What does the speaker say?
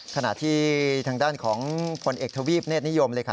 ขณะที่ทางด้านของผลเอกทวีปเนธนิยมเลยค่ะ